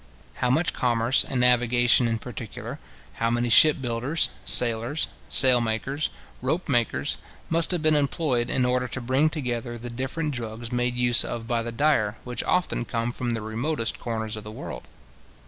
How much commerce and navigation in particular, how many ship builders, sailors, sail makers, rope makers, must have been employed in order to bring together the different drugs made use of by the dyer, which often come from the remotest corners of the world?